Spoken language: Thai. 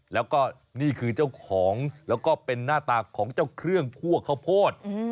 แล้วก็นี่คือเจ้าของแล้วก็เป็นหน้าตาของเจ้าเครื่องคั่วข้าวโพด